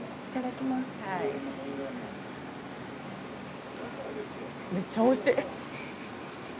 めちゃくちゃおいしい。